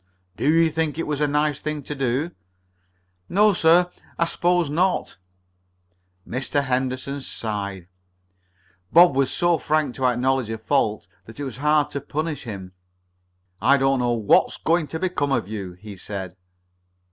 "Do you think it was a nice thing to do?" "No, sir. I s'pose not." Mr. Henderson sighed. Bob was so frank to acknowledge a fault that it was hard to punish him. "I don't know what's going to become of you," he said.